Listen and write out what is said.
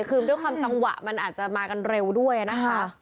คือด้วยความจังหวะมันอาจจะมากันเร็วด้วยนะคะ